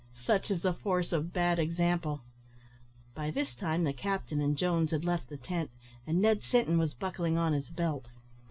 Such is the force of bad example. By this time the captain and Jones had left the tent, and Ned Sinton was buckling on his belt.